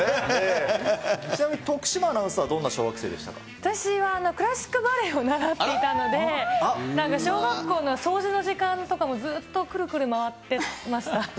ちなみに徳島アナウンサーはどん私は、クラシックバレエを習っていたので、小学校の掃除の時間とかもずっとくるくる回ってました。